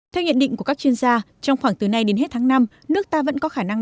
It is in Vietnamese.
theo nhận định của các chuyên gia trong khoảng từ nay đến hết tháng năm nước ta vẫn có khả năng